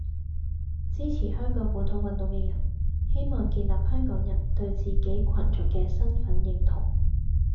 支持香港本土運動嘅人，希望建立香港人對自己群族嘅身份認同